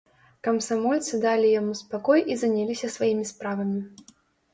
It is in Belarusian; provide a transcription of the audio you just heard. Камсамольцы далі яму спакой і заняліся сваімі справамі.